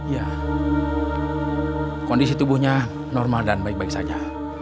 ya kondisi tubuhnya normal dan baik baik saja